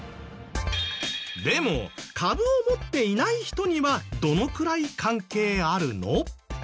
でも株を持っていない人にはどのくらい関係あるの？